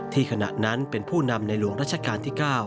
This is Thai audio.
ขณะนั้นเป็นผู้นำในหลวงรัชกาลที่๙